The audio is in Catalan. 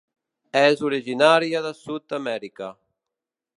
És originària de Sud-amèrica.